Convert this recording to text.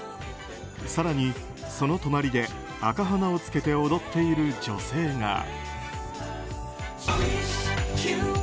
更に、その隣で赤鼻を着けて踊っている女性が。